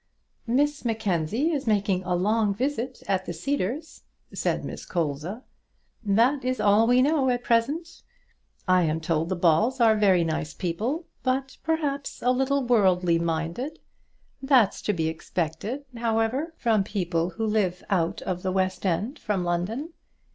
"Miss Mackenzie is making a long visit at the Cedars," said Miss Colza, "that is all we know at present. I am told the Balls are very nice people, but perhaps a little worldly minded; that's to be expected, however, from people who live out of the west end from London.